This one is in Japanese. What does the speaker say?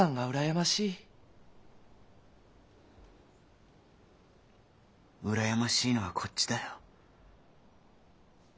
うらやましいのはこっちだよ。